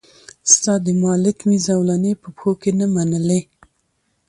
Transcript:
ستا د مالت مي زولنې په پښو کي نه منلې